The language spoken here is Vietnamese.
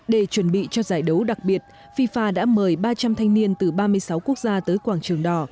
để chuẩn bị cho giải đấu đặc biệt fifa đã mời ba trăm linh thanh niên từ ba mươi sáu quốc gia tới quảng trường đỏ